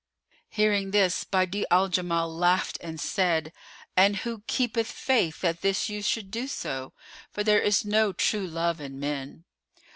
Hearing this Badi'a al Jamal laughed and said, "And who keepeth faith, that this youth should do so? For there is no true love in men."